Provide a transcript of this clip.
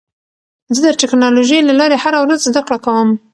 زه د ټکنالوژۍ له لارې هره ورځ زده کړه کوم.